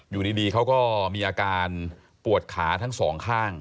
อยู่ดีเขาก็มีอาการปวดขาทั้งสองข้าง